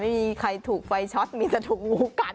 ไม่มีใครถูกไฟฟ้าช็อตมีเค้าจะถูกงูกัด